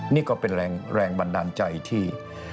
นี่ก็เป็นแรงบันดาลใจที่